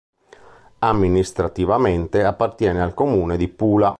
Amministrativamente appartiene al comune di Pula.